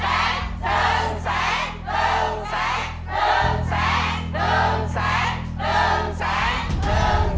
หนึ่งแสง